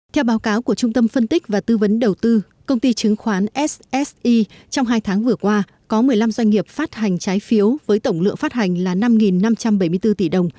theo báo cáo của trung tâm phân tích và tư vấn đầu tư công ty chứng khoán sse trong hai tháng vừa qua có một mươi năm doanh nghiệp phát hành trái phiếu với tổng lượng phát hành là năm năm trăm bảy mươi bốn tỷ đồng